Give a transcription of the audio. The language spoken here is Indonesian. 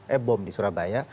eh bom di surabaya